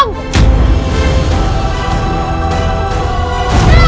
kalau kau ikut contoh